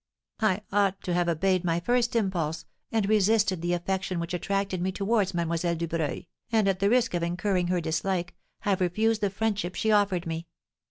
I ought to have obeyed my first impulse, and resisted the affection which attracted me towards Mlle. Dubreuil, and, at the risk of incurring her dislike, have refused the friendship she offered me.